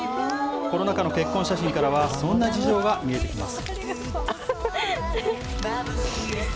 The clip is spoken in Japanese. コロナ禍の結婚写真からは、そんな事情が見えてきます。